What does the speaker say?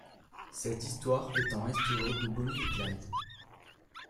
Cette histoire étant inspirée de Bonnie et Clyde.